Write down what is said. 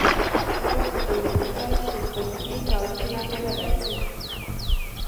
نور د دولتي یا شرکتي کارونو له امله راځي